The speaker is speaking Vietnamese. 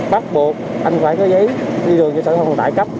bắt buộc anh phải có giấy đi đường cho sở thông đại cấp